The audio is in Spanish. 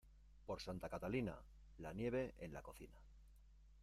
Por Santa Catalina, la nieve en la cocina.